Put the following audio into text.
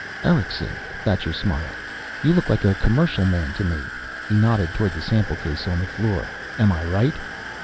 "Erickson?" Thacher smiled. "You look like a commercial man, to me." He nodded toward the sample case on the floor. "Am I right?"